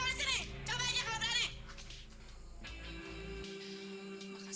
bisa ngakasih kalau dijual